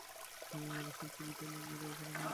আর এসব ছবি টয়লেটে, বোর্ডে আঁকার কোনো দরকার নেই।